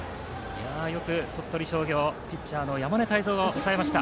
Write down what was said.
よく鳥取商業ピッチャーの山根汰三が抑えました。